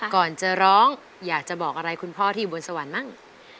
ก่อนจะร้องอยากจะบอกอะไรคุณพ่อที่อยู่บนสวรรค์บ้าง